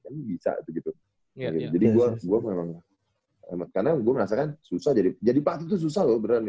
kan bisa gitu jadi gue gue memang karena gue merasakan susah jadi jadi pelatih tuh susah loh beneran ya